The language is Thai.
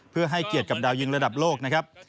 เพื่อให้เกียรติกับดาวยิงระดับโลกนะครับ